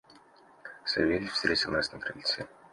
Савельич встретил нас на крыльце.